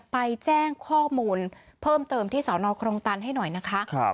ไปแจ้งข้อมูลเพิ่มเติมที่สอนอครองตันให้หน่อยนะคะ